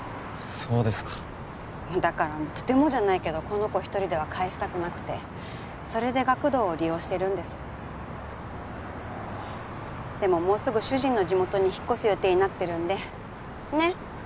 そうですかだからとてもじゃないけどこの子一人では帰したくなくてそれで学童を利用してるんですでももうすぐ主人の地元に引っ越す予定になってるんでねっ